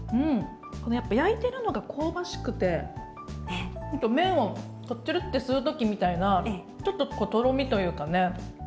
このやっぱ焼いてるのが香ばしくてちょっと麺をちゅるっと吸う時みたいなちょっととろみというかね。